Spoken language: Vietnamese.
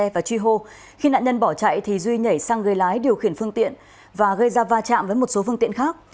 và truy hô khi nạn nhân bỏ chạy duy nhảy sang gây lái điều khiển phương tiện và gây ra va chạm với một số phương tiện khác